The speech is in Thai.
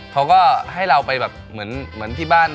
เขาก็ให้เราไปแบบเหมือนที่บ้าน